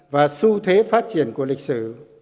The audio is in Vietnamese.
và su thế phát triển của lịch sử